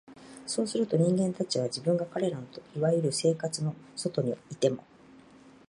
そうすると、人間たちは、自分が彼等の所謂「生活」の外にいても、